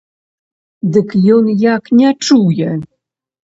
Дык ён як не чуе!